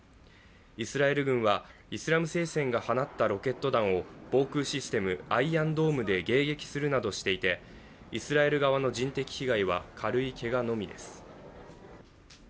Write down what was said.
イスラエル軍はイスラム聖戦が放ったロケット弾を防空システムアイアンドームで迎撃するなどしていてイスラエル側の人的被害は軽いけがのみです。